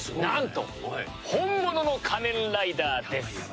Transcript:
なんと本物の仮面ライダーです。